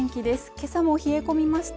今朝も冷え込みました